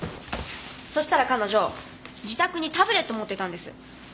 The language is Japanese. そしたら彼女自宅にタブレット持ってたんです。